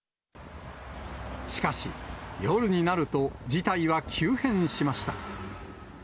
しかし、夜になると事態は急変しました。